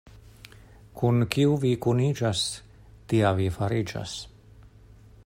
Kun kiu vi kuniĝas, tia vi fariĝas.